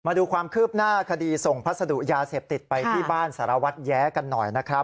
มาดูความคืบหน้าคดีส่งพัสดุยาเสพติดไปที่บ้านสารวัตรแย้กันหน่อยนะครับ